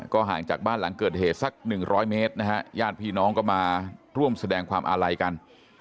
ห่างจากบ้านหลังเกิดเหตุสัก๑๐๐เมตรนะฮะญาติพี่น้องก็มาร่วมแสดงความอาลัยกัน